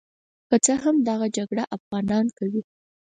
که څه هم دغه جګړه افغانان کوي.